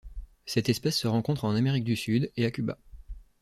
Cette espèce se rencontre en Amérique du Sud et à Cuba.